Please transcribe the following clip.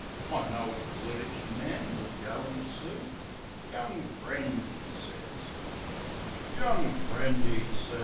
I know a clergyman we'll go an' see" ... "Young friend," 'e sez. "Young friend," 'e sez.